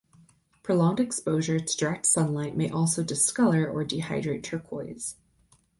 Prolonged exposure to direct sunlight may also discolour or dehydrate turquoise.